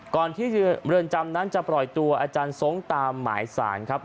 ก่อนที่เรือนจำนั้นจะปล่อยตัวอาจารย์ทรงตามหมายสารครับ